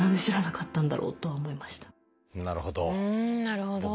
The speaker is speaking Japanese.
なるほど。